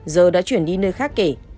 giờ đã chuyển đi nơi khác kể